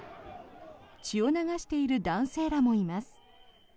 血を流している男性らもいます。